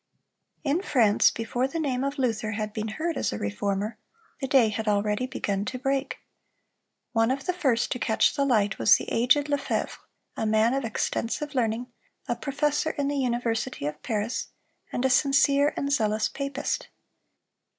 In France, before the name of Luther had been heard as a Reformer, the day had already begun to break. One of the first to catch the light was the aged Lefevre, a man of extensive learning, a professor in the University of Paris, and a sincere and zealous papist.